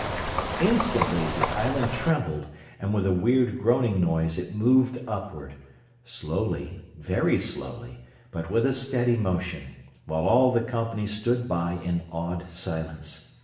Instantly the island trembled and with a weird groaning noise it moved upward slowly, very slowly, but with a steady motion, while all the company stood by in awed silence.